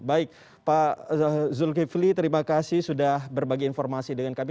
baik pak zulkifli terima kasih sudah berbagi informasi dengan kami